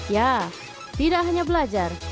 ya tidak hanya belajar